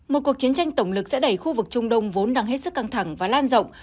một cuộc chiến tranh tổng lực sẽ đẩy khu vực trung đông vốn đang hết sức căng thẳng và lan rộng